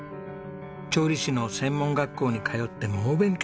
調理師の専門学校に通って猛勉強。